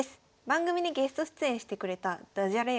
番組にゲスト出演してくれたダジャレ